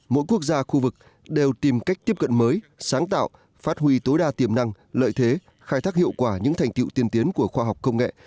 mỗi quốc gia khu vực đều tìm cách tiếp cận mới sáng tạo phát huy tối đa tiềm năng lợi thế khai thác hiệu quả những thành tiệu tiên tiến của khoa học công nghệ